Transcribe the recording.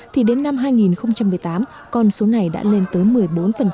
thì đến năm hai nghìn một mươi tám con số này đã lên tới một mươi bốn